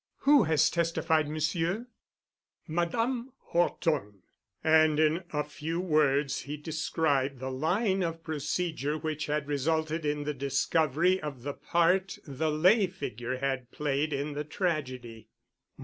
"Who has testified, Monsieur?" "Madame Horton." And in a few words he described the line of procedure which had resulted in the discovery of the part the lay figure had played in the tragedy.